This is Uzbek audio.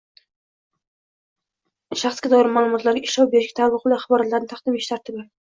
Shaxsga doir ma’lumotlarga ishlov berishga taalluqli axborotni taqdim etish tartibi